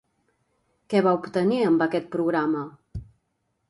Què va obtenir amb aquest programa?